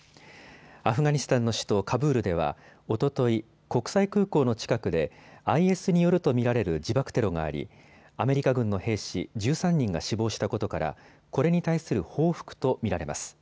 アフガニスタンの首都カブールでは、おととい国際空港の近くでＩＳによると見られる自爆テロがありアメリカ軍の兵士１３人が死亡したことから、これに対する報復と見られます。